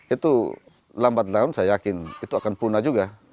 itu lambat laun saya yakin itu akan punah juga